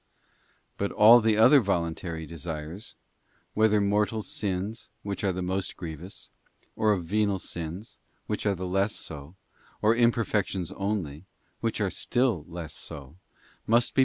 But all the other voluntary desires, whether mortal sins, which are the most grievous, or of venial sins, which are less so, or imperfections only, which are still less so, must be.